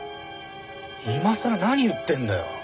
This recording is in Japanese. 今さら何言ってんだよ！